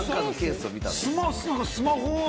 スマホ？